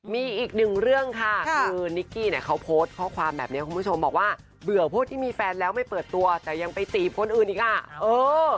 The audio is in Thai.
มีอีกหนึ่งเรื่องค่ะคือนิกกี้เนี่ยเขาโพสต์ข้อความแบบนี้คุณผู้ชมบอกว่าเบื่อพวกที่มีแฟนแล้วไม่เปิดตัวแต่ยังไปจีบคนอื่นอีกอ่ะเออ